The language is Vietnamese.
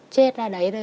chết là đấy rồi